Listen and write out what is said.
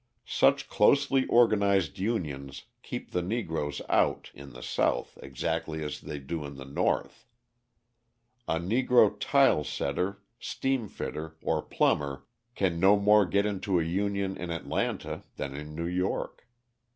Such closely organised unions keep the Negroes out in the South exactly as they do in the North. A Negro tile setter, steam fitter or plumber can no more get into a union in Atlanta than in New York.